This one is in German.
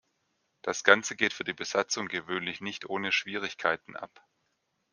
Das Ganze geht für die Besatzung gewöhnlich nicht ohne Schwierigkeiten ab.